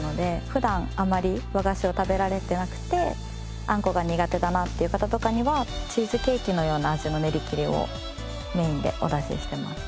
普段あまり和菓子を食べられてなくてあんこが苦手だなっていう方とかにはチーズケーキのような味の練り切りをメインでお出ししてます。